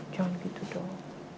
jangan gitu dong